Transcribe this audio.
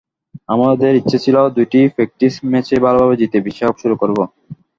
আমাদের ইচ্ছা ছিল দুটি প্র্যাকটিস ম্যাচই ভালোভাবে জিতে বিশ্বকাপ শুরু করব।